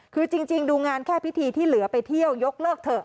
คือจริงดูงานแค่พิธีที่เหลือไปเที่ยวยกเลิกเถอะ